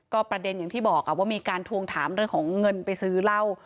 ประเด็นอย่างที่บอกว่ามีการทวงถามเรื่องของเงินไปซื้อเหล้า